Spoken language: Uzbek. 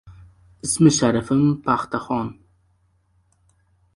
— Ismi sharifim — Paxtaxon!